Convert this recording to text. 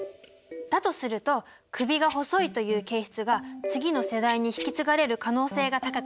だとすると首が細いという形質が次の世代に引き継がれる可能性が高くなるよね。